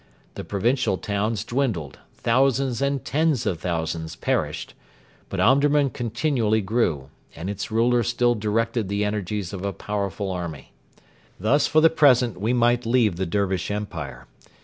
The provincial towns dwindled; thousands and tens of thousands perished; but Omdurman continually grew, and its ruler still directed the energies of a powerful army. Thus for the present we might leave the Dervish Empire.